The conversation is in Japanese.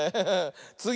つぎ！